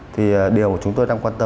thì điều chúng tôi đang quan tâm